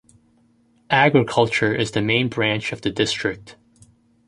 Agriculture is the main branch of the district.